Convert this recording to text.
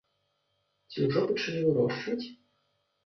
Ці ўжо пачалі вырошчваць?